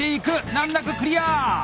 難なくクリア！